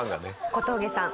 小峠さん